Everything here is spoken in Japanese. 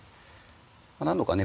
何度かね